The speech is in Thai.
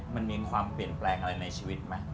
มันมีความเปลี่ยนแปลงอะไรในชีวิตไหม